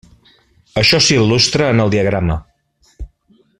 Això s'il·lustra en el diagrama.